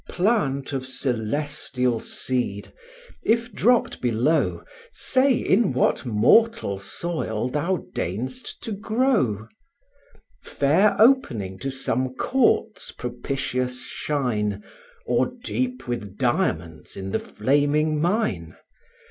Plant of celestial seed! if dropped below, Say, in what mortal soil thou deign'st to grow? Fair opening to some Court's propitious shine, Or deep with diamonds in the flaming mine?